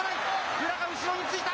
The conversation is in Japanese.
宇良が後ろについた。